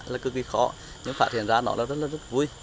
là cực kỳ khó nhưng phát hiện ra nó là rất là rất vui